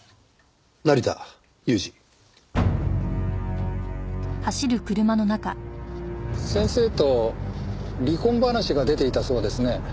「成田裕二」先生と離婚話が出ていたそうですね。